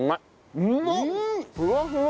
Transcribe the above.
ふわふわ！